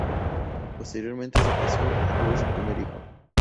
Posteriormente se casó y tuvo su primer hijo.